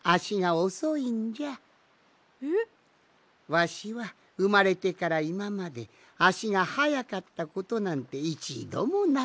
わしはうまれてからいままであしがはやかったことなんていちどもなかった。